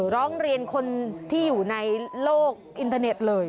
ร้องเรียนคนที่อยู่ในโลกอินเทอร์เน็ตเลย